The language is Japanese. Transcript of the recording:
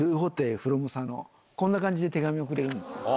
こんな感じで手紙をくれるんですよ。